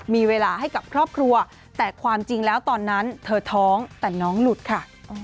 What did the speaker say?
มีเวลาให้กับครอบครัวแต่ความจริงแล้วตอนนั้นเธอท้องแต่น้องหลุดค่ะ